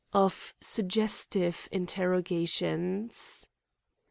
0/ suggestive Interrogations.